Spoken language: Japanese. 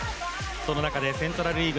その中でセントラル・リーグ